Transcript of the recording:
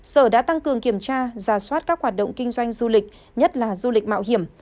sở đã tăng cường kiểm tra giả soát các hoạt động kinh doanh du lịch nhất là du lịch mạo hiểm